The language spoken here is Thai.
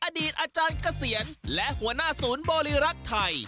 อดีตอาจารย์เกษียณและหัวหน้าศูนย์บริรักษ์ไทย